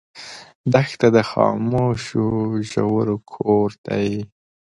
دښته د خاموشو ژورو کور دی.